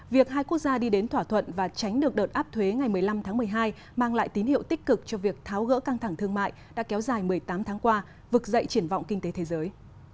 việc hai quốc gia đi đến thỏa thuận và tránh được đợt áp thuế ngày một mươi năm tháng một mươi hai mang lại tín hiệu tích cực cho việc tháo gỡ căng thẳng thương mại đã kéo dài một mươi tám tháng qua vực dậy triển vọng kinh tế thế giới